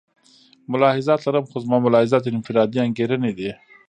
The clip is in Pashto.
ملاحظات لرم خو زما ملاحظات انفرادي انګېرنې دي.